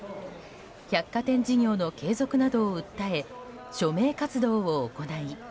百貨店事業の継続などを訴え署名活動を行い